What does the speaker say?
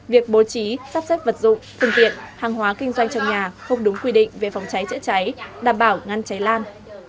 việc bố trí sắp xếp vật dụng phương tiện hàng hóa kinh doanh trong nhà không đúng quy định về phòng cháy chữa cháy đảm bảo ngăn cháy lan